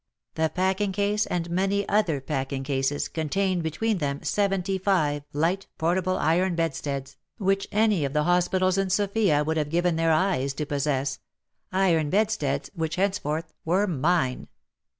The packing case, and many other packing cases, contained be tween them seventy five light portable iron bed steads, which any of the hospitals in Sofia would 6o WAR AND WOMEN have given their eyes to possess — iron bedsteads which henceforth were mine